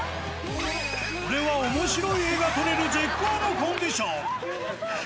これはおもしろい絵が撮れる絶好のコンディション。